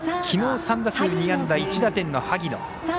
きのう３打数２安打１打点の萩野。